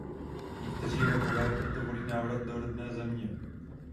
Někteří Romové proto volí návrat do rodné země.